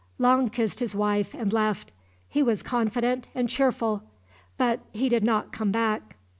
Long kissed his wife and left. He was confident and cheerful. But he did not come back.